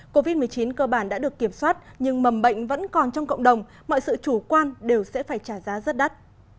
covid một mươi chín cơ bản đã được kiểm soát nhưng mầm bệnh vẫn còn trong cộng đồng mọi sự chủ quan đều sẽ phải trả giá rất đắt